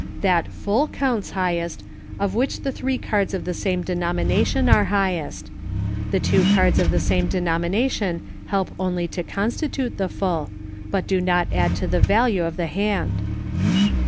That "full" counts highest of which the three cards of the same denomination are high est. The two cards of the same denomination help only to constitute the full, but do not add to the value of the hand.